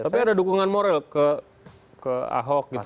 tapi ada dukungan moral ke ahok gitu